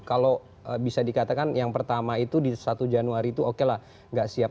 kalau bisa dikatakan yang pertama itu di satu januari itu oke lah nggak siap